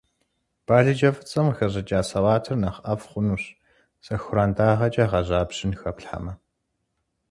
Балыджэ фӀыцӀэм къыхэщӀыкӀа салатыр нэхъ ӀэфӀ хъунущ, сэхуран дагъэкӀэ гъэжьа бжьын хэплъхьэмэ.